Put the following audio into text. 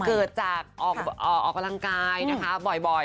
เกิดจากออกกำลังกายนะคะบ่อย